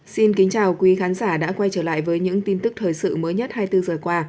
xin kính chào quý khán giả đã quay trở lại với những tin tức thời sự mới nhất hai mươi bốn giờ qua